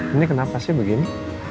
ini kenapa sih begini